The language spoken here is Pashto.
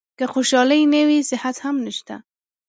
که خوشالي نه وي صحت هم نشته .